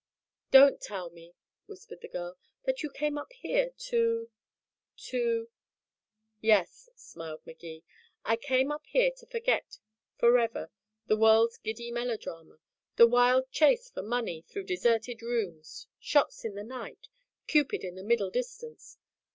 "Don't tell me," whispered the girl, "that you came up here to to " "Yes," smiled Magee, "I came up here to forget forever the world's giddy melodrama, the wild chase for money through deserted rooms, shots in the night, cupid in the middle distance.